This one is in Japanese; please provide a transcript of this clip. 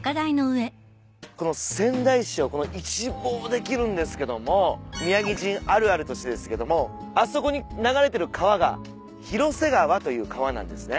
この仙台市を一望できるんですけども宮城人あるあるとしてですけどもあそこに流れてる川が広瀬川という川なんですね。